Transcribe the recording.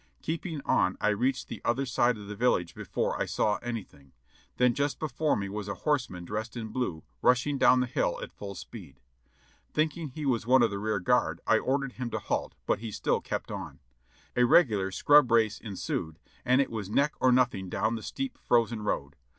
Keeping on I reached the other side of the village before I saw anything; then just before me was a horseman dressed in blue, rushing down the hill at full speed. Thinking he was one of the rear guard, I ordered him to halt, but he still kept on. A regular scrub race ensued and it was neck or nothing down the steep, frozen road.